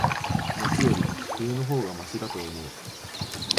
夏より、冬の方がましだと思う。